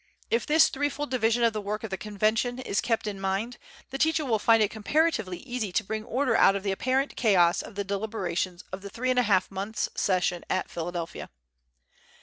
If this threefold division of the work of the Convention is kept in mind, the teacher will find it comparatively easy to bring order out of the apparent chaos of the deliberations of the three and a half months' session at Philadelphia.